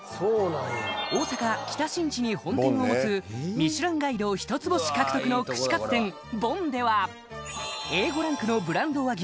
大阪北新地に本店を持つミシュランガイド一つ星獲得の串カツ店凡ではＡ５ランクのブランド和牛